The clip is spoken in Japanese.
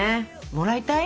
もらいたい？